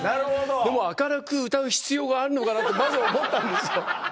でも明るく歌う必要があるのかなってまず思ったんですよ。